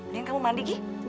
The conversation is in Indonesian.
lihat kamu mandi gi